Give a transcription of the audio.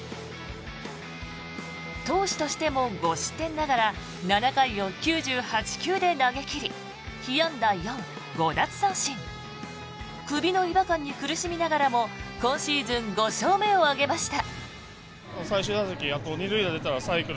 投手としても５失点ながら７回を９８球で投げ切り被安打４、５奪三振首の違和感に苦しみながらも今シーズン５勝目を挙げました。